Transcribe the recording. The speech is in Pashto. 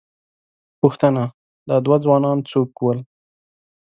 _پوښتنه، دا دوه ځوانان څوک ول؟